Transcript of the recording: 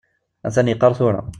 Atan yeqqaṛ tura.